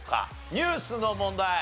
ニュースの問題。